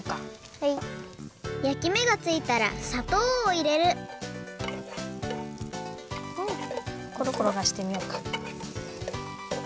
やきめがついたらさとうをいれるコロコロころがしてみようか。